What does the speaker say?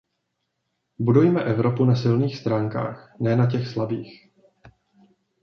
Budujme Evropu na silných stránkách, ne na těch slabých.